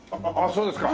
そうですか。